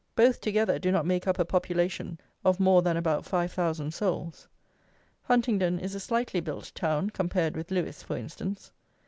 Both together do not make up a population of more than about five thousand souls. Huntingdon is a slightly built town, compared with Lewes, for instance.